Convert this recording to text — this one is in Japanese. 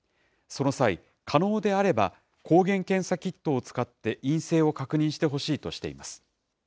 その際、可能であれば抗原検査キットを使って、陰性を確認してほしいとしています。